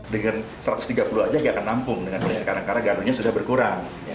dengan satu ratus tiga puluh aja gak akan nampung karena ganunya sudah berkurang